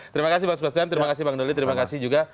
terima kasih pak sebastian terima kasih bang doli terima kasih juga